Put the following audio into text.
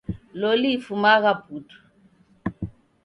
Loli ifumagha putu.